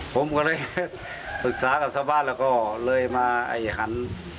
ผมก็เลยปรึกษากับชาวบ้านแล้วก็เลยมาหัน